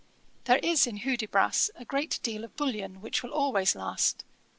There is in Hudibras a great deal of bullion which will always last.